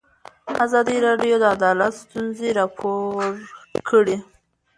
ازادي راډیو د عدالت ستونزې راپور کړي.